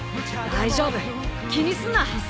大丈夫気にすんな。